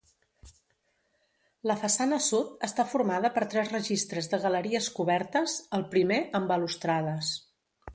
La façana sud està formada per tres registres de galeries cobertes, el primer amb balustrades.